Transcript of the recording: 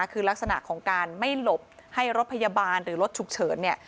คือลักษณะของการไม่หลบให้รถพยาบาลหรือรถฉุกเฉินเนี่ย